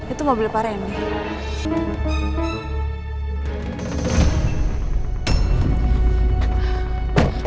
itu mobil parah ya mbak